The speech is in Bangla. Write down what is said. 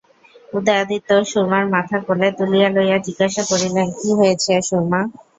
উদয়াদিত্য সুরমার মাথা কোলে তুলিয়া লইয়া জিজ্ঞাসা করিলেন, কী হইয়াছে সুরমা?